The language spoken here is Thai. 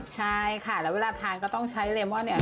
ใช่ค่ะแล้วเวลาทานก็ต้องใช้เรมอนเนี่ย